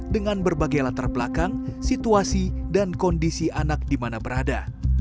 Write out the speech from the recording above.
dengan berbagai latar belakang situasi dan kondisi anak di mana berada